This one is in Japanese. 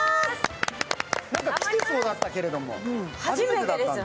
来てそうだったけれども、初めてだったんだ。